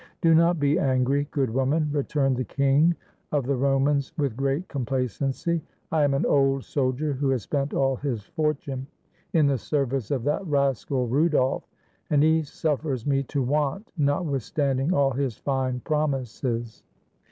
— "Do not be angry, good woman," returned the King of the Romans with great complacency, "I am an old soldier, who has spent all his fortune in the service of that rascal, Rudolf, and he suffers me to want, notwith standing all his fine promises."